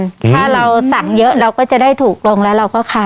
ถ้าเราสั่งเยอะเราก็จะได้ถูกลงแล้วเราก็ขาย